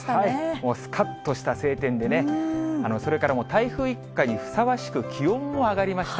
もうすかっとした晴天でね、それから台風一過にふさわしく、気温も上がりました。